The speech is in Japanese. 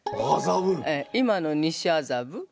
今の西麻布。